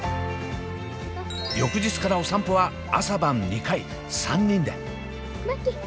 翌日からお散歩は朝晩２回３人で。